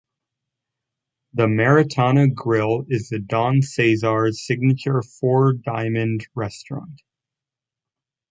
The Maritana Grille is the Don CeSar's signature Four Diamond restaurant.